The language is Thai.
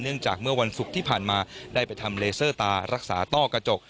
จากเมื่อวันศุกร์ที่ผ่านมาได้ไปทำเลเซอร์ตารักษาต้อกระจก